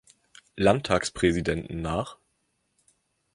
Landtagspräsidenten nach.